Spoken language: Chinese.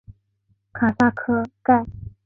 卡萨盖。